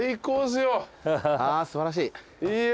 あ素晴らしい。